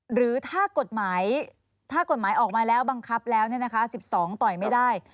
หรือถ้ากฎหมายถ้ากฎหมายออกมาแล้วบังคับแล้ว๑๒ต่อยไม่ได้